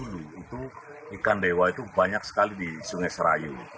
dulu itu ikan dewa itu banyak sekali di sungai serayu